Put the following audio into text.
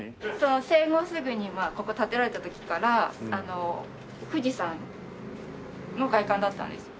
戦後すぐにここ建てられた時から富士山の外観だったんです。